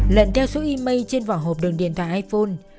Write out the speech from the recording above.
lận theo số email trên vỏ hộp đường điện thoại iphone